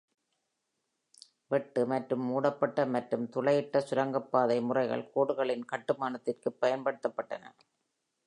வெட்டு-மற்றும்-மூடப்பட்ட மற்றும் துளையிட்ட சுரங்கப்பாதை முறைகள் கோடுகளின் கட்டுமானத்திற்கு பயன்படுத்தப்பட்டன.